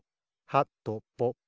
はとぽぽ。